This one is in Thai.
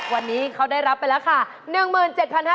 วันนี้เขาได้รับไปแล้วค่ะ